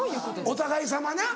お互いさまな。